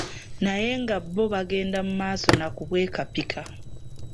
Naye nga bo bagenda mu maaso nakubwekapika.